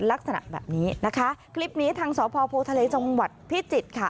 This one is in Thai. ลักษณะแบบนี้นะคะคลิปนี้ทางสพโพทะเลจังหวัดพิจิตรค่ะ